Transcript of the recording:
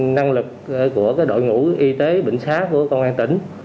năng lực của đội ngũ y tế bệnh xá của công an tỉnh